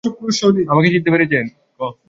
আমাকে চিনতে পেরেছেন?